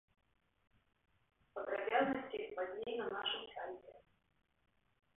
Падрабязнасці пазней на нашым сайце.